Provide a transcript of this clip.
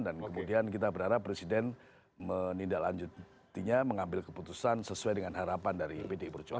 dan kemudian kita berharap presiden menindaklanjutinya mengambil keputusan sesuai dengan harapan dari pde perjuangan